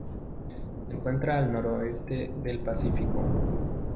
Se encuentra al noroeste del Pacífico.